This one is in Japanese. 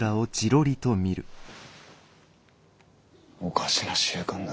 おかしな習慣だ。